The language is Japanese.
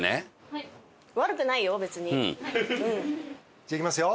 じゃあいきますよ。